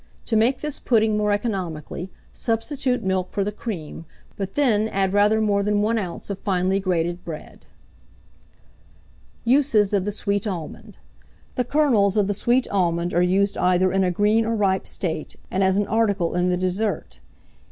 To make this pudding more economically, substitute milk for the cream; but then add rather more than 1 oz. of finely grated bread. USES OF THE SWEET ALMOND. The kernels of the sweet almond are used either in a green or ripe state, and as an article in the dessert.